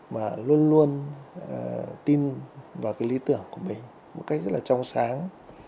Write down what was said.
mà luôn luôn tin vào cái lý tưởng của mình một cách rất là trong sáng